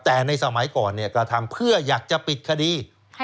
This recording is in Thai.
แต่ในสมัยก่อนกระทำเพื่ออยากจะปิดคดี